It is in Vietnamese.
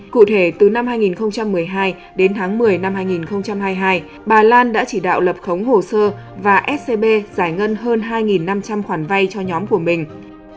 cụ thể từ năm hai nghìn một mươi hai đến tháng một mươi năm hai nghìn hai mươi hai bà lan đã chỉ đạo lập khống hồ sơ và scb giải ngân hơn hai năm trăm linh khoản vay cho nhóm của mình